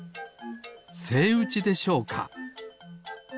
セイウチでしょうか？